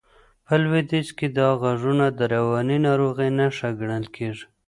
په لوېدیځ کې دا غږونه د رواني ناروغۍ نښه ګڼل کېږي.